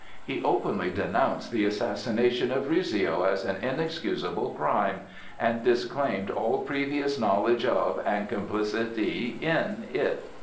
He openly denounced the assassination of Rizzio as an inexcusable crime, and disclaimed all previous knowledge of and complicity in it.